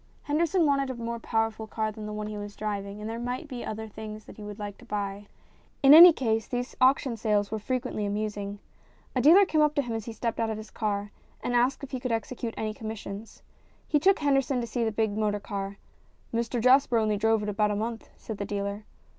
Henderson wanted a more powerful car than the one he was driving, and there might be other things that he would like to buy. In any case these auction sales were frequently amusing. A dealer came up to him as he stepped out of his car and asked if he could execute any com missions. He took Henderson to see the big motor car. " Mr Jasper only drove it about a month," said the dealer.